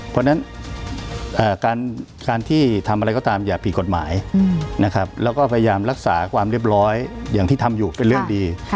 เพราะฉะนั้นการที่ทำอะไรก็ตามอย่าผิดกฎหมายนะครับแล้วก็พยายามรักษาความเรียบร้อยอย่างที่ทำอยู่เป็นเรื่องดี